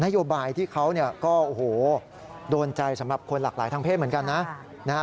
โยบายที่เขาก็โอ้โหโดนใจสำหรับคนหลากหลายทางเพศเหมือนกันนะ